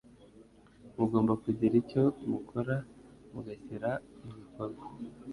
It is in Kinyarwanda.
Mugomba kugira icyo mukora mugashyira mu bikorwa